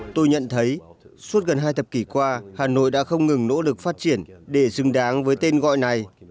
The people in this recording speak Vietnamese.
tôi nhận thấy suốt gần hai thập kỷ qua hà nội đã không ngừng nỗ lực phát triển để dừng đáng với tên gọi này